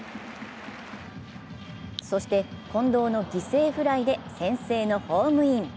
そして、近藤の犠牲フライで先制のホームイン。